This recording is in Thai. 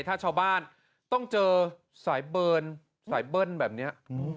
ถ้าชาวบ้านต้องเจอสายเบิร์นสายเบิ้ลแบบนี้